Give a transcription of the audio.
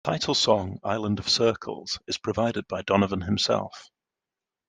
The title song "Island of Circles" is provided by Donovan himself.